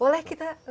boleh kita lihat